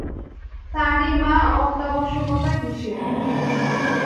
তারই বা অত্যাবশ্যকতা কিসের?